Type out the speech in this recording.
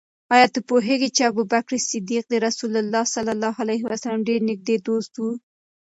آیا ته پوهېږې چې ابوبکر صدیق د رسول الله ص ډېر نږدې دوست و؟